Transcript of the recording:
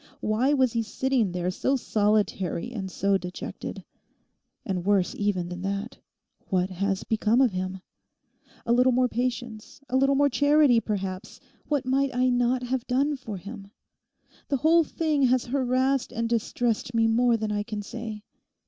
Why was he sitting there so solitary and so dejected? And worse even than that, what has become of him? A little more patience, a little more charity, perhaps—what might I not have done for him? The whole thing has harassed and distressed me more than I can say.